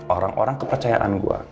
orang orang kepercayaan gue